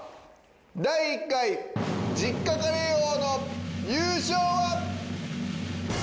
第１回実家カレー王の優勝は？